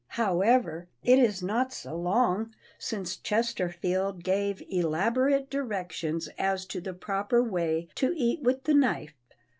However, it is not so long since Chesterfield gave elaborate directions as to the proper way to eat with the knife!